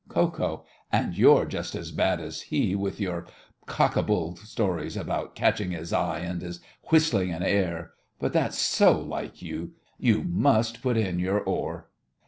KO. And you're just as bad as he is with your cock— and a bull stories about catching his eye and his whistling an air. But that's so like you! You must put in your oar!